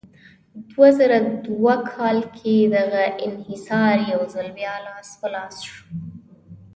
دوه زره دوه کال کې دغه انحصار یو ځل بیا لاس په لاس شو.